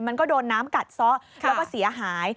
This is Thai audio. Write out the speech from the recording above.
มันก็โดนน้ำกัดซะแล้วก็เสียหาย